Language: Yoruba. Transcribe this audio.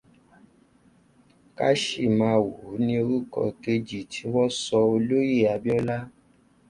Káshìmáawòó ni orúkọ kejì tí wọ́n sọ Olóyè Abíọ́lá